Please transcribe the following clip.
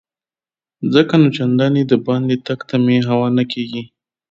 ځکه نو چنداني دباندې تګ ته مې هوا نه کیږي.